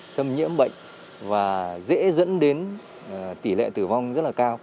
xâm nhiễm bệnh và dễ dẫn đến tỷ lệ tử vong